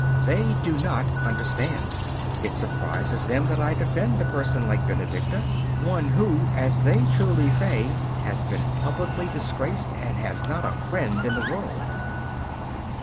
They do not understand. It surprises them that I defend a person like Benedicta one who, as they truly say, has been publicly disgraced and has not a friend in the world.